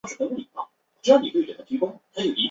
格罗沙语是一种基于语义的国际辅助语。